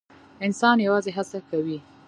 انسان یوازې هڅه کوي